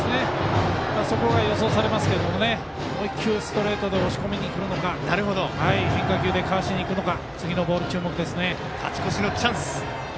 そこが予想されますがもう１球、ストレートで押し込みにくるのか変化球でかわしにいくのか。